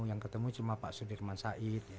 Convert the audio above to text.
yang ketemu cuma pak sudirman said